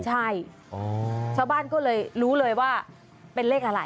ใช่ชาวบ้านก็เลยรู้เลยว่าเป็นเลขอะไร